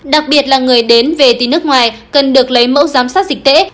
đặc biệt là người đến về từ nước ngoài cần được lấy mẫu giám sát dịch tễ